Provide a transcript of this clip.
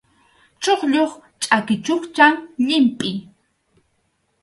Chuqllup chʼaki chukchan llimpʼi.